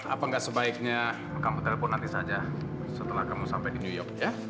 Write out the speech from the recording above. apa nggak sebaiknya kamu telpon nanti saja setelah kamu sampai di new york ya